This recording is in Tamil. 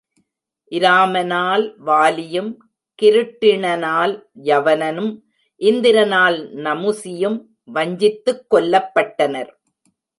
இராமனால் வாலியும், கிருட்டிணனால் யவனனும் இந்திரனால் நமுசியும் வஞ்சித்துக் கொல்லப்பட்டனர்.